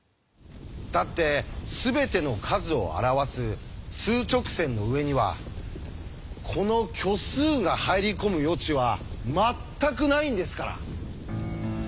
だってすべての数を表す数直線の上にはこの虚数が入り込む余地は全くないんですから。